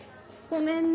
ごめんね。